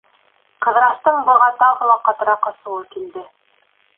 Ҡыҙырастың быға тағы ла ҡатыраҡ асыуы килде.